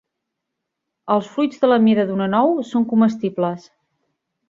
Els fruits, de la mida d'una nou, són comestibles.